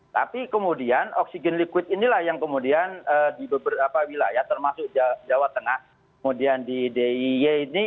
tapi kemudian oksigen yang liquid inilah yang kemudian di beberapa wilayah termasuk jawa tengah kemudian di diy ini